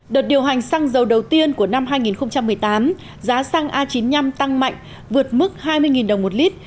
đợt điều hành xăng dầu đầu tiên của năm hai nghìn một mươi tám giá xăng a chín mươi năm tăng mạnh vượt mức hai mươi đồng một lít